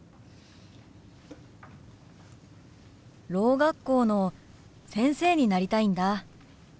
ろう学校の先生になりたいんだ。